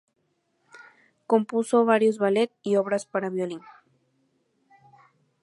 Compuso varios ballet y obras para violín.